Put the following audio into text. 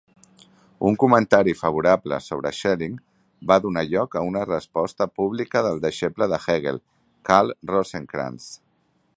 Un comentari favorable sobre Schelling va donar lloc a una resposta pública del deixeble de Hegel, Karl Rosenkranz.